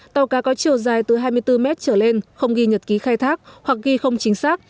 tàu cá có chiều dài từ hai mươi bốn mét trở lên không ghi nhật ký khai thác hoặc ghi không chính xác